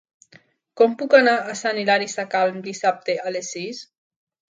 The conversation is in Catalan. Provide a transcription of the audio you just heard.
Com puc anar a Sant Hilari Sacalm dissabte a les sis?